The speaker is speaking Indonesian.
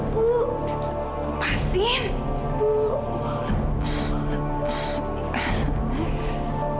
gak tahu nih anak siapa gak kenal